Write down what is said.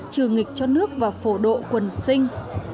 trừ nghịch cho nước và phổ độ quần sinh